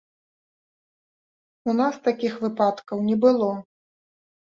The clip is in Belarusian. У нас такіх выпадкаў не было!